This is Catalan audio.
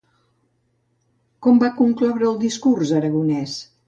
Com va concloure el discurs, Aragonès?